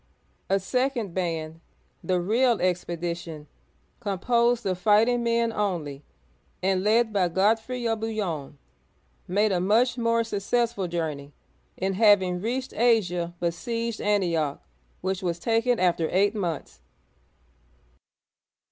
A second band, — the real expedition, — composed of fighting men only, and led by Godfrey of Bouillon (boo y6N'), made a much more successful journey, and having reached Asia, besieged Antioch(an'ti 6k), which was taken after eight months.